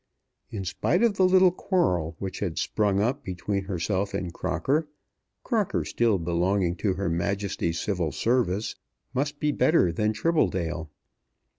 In spite of the little quarrel which had sprung up between herself and Crocker, Crocker, still belonging to Her Majesty's Civil Service, must be better than Tribbledale.